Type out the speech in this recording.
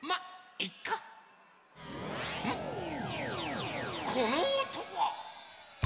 このおとは？